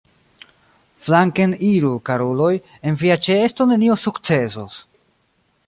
Flanken iru, karuloj, en via ĉeesto nenio sukcesos!